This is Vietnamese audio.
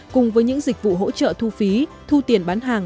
cùng với những dịch vụ hỗ trợ thu phí thu tiền bán hàng